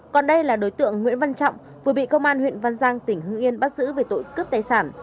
còn đây là đối tượng nguyễn văn trọng vừa bị công an huyện văn giang tỉnh hưng yên bắt giữ về tội cướp tài sản